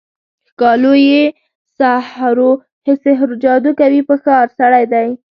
ښکالو یې سحراوجادوکوي په ښار، سړی دی